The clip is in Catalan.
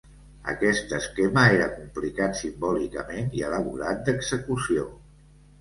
Aquest esquema era complicat simbòlicament i elaborat d'execució.